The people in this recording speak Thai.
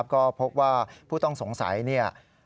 ก็พบว่าผู้ต้องสงสัย